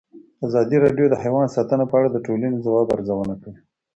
ازادي راډیو د حیوان ساتنه په اړه د ټولنې د ځواب ارزونه کړې.